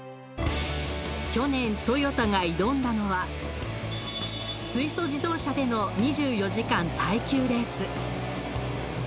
去年ＴＯＹＯＴＡが挑んだのは水素自動車での２４時間耐久レース。